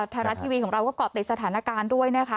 ไทยรัฐทีวีของเราก็เกาะติดสถานการณ์ด้วยนะคะ